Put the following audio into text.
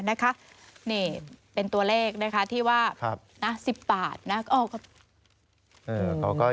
นะคะนี่เป็นตัวเลขนะคะที่ว่าครับน่ะสิบบาทน่ะอ๋อเออเขาก็